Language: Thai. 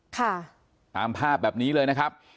ค่ะตามภาพแบบนี้เลยนะครับ